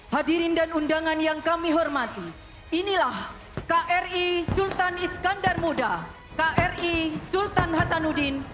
hadirin dan undangan yang kami hormati inilah kri sultan iskandar muda kri sultan hasanuddin